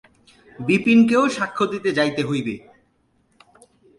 বিপিনকেও সাক্ষ্য দিতে যাইতে হইবে।